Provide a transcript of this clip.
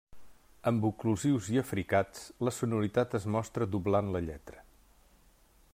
Amb oclusius i africats, la sonoritat es mostra doblant la lletra.